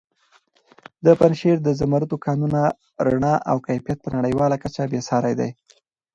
د پنجشېر د زمردو کانونو رڼا او کیفیت په نړیواله کچه بې ساري دی.